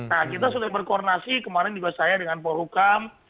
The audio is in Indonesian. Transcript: nah kita sudah berkoordinasi kemarin juga saya dengan polhukam